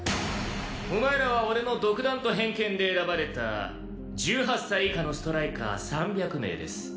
お前らは俺の独断と偏見で選ばれた１８歳以下のストライカー３００名です。